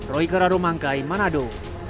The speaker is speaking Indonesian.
roy kerarumangkai manado